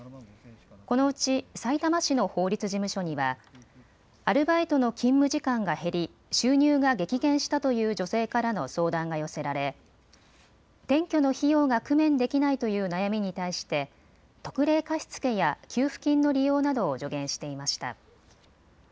このうち、さいたま市の法律事務所にはアルバイトの勤務時間が減り収入が激減したという女性からの相談が寄せられ転居の費用が工面できないという悩みに対して特例貸付や給付金の利用などを助言していました。